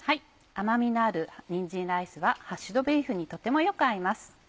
甘味のあるにんじんライスはハッシュドビーフにとてもよく合います。